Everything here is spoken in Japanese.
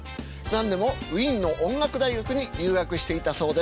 何でもウィーンの音楽大学に留学していたそうです。